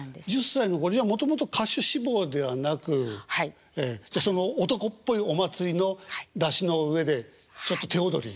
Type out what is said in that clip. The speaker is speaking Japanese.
１０歳じゃあもともと歌手志望ではなく男っぽいお祭りの山車の上でちょっと手踊り。